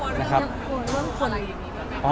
กวนเรื่องคน